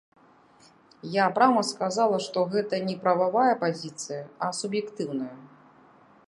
Я прама сказала, што гэта не прававая пазіцыя, а суб'ектыўная.